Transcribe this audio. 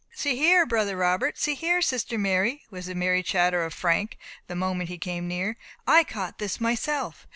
"See here, brother Robert! See here, sister Mary!" was the merry chatter of Frank, the moment he came near. "I caught this myself.